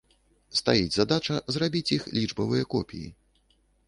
Стаіць задача зрабіць іх лічбавыя копіі.